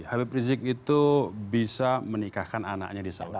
habib rizik itu bisa menikahkan anaknya di saudi